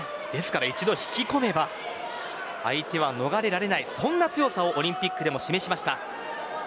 一度、引き込めば相手は逃れられないそんな強さをオリンピックでも示しました。